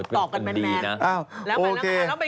ต่อกันแมนแล้วไป